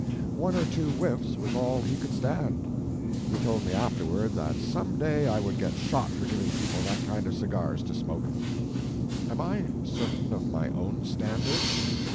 One or two whiffs was all he could stand. He told me afterward that some day I would get shot for giving people that kind of cigars to smoke. Am I certain of my own standard?